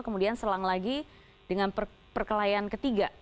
kemudian selang lagi dengan perkelahian ketiga